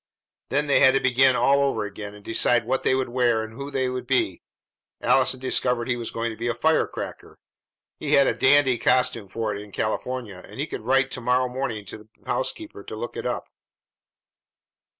Then they had to begin all over again, and decide what they would wear and who they would be. Allison declared he was going to be a firecracker; he had a "dandy" costume for it in California, and he would write to morrow morning to the housekeeper to look it up.